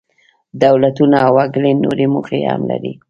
دولتونه او وګړي نورې موخې هم لري.